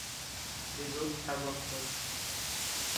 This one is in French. Les autres avoir peur.